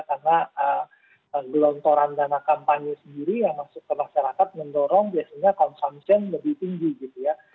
karena gelontoran dana kampanye sendiri yang masuk ke masyarakat mendorong biasanya konsumsi yang lebih tinggi gitu ya